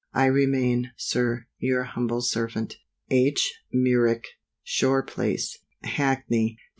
I remain, Sir, your humble servant, H. MEIRICK. Shore place, Hackney, Dec.